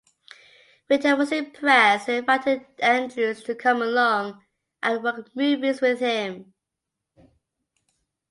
Ritter was impressed and invited Andrews to come along and work movies with him.